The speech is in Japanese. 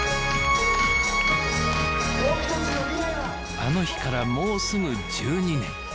あの日からもうすぐ１２年